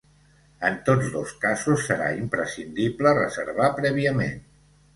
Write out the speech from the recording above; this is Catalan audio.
En tots dos casos, serà imprescindible reservar prèviament.